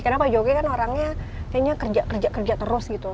karena pak jokowi kan orangnya kayaknya kerja kerja terus gitu loh